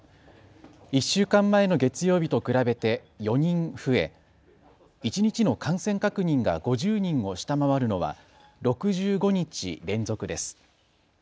１週間前の月曜日と比べて４人増え一日の感染確認が５０人を下回るのは６５日連続です。